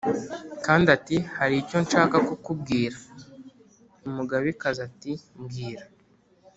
Kandi ati “Hari icyo nshaka kukubwira.” Umugabekazi ati “Mbwira.”